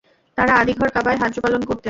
তাঁরা আদিঘর কাবায় হজ্জ পালন করতেন।